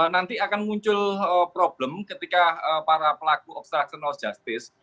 nanti akan muncul problem ketika para pelaku obstruction of justice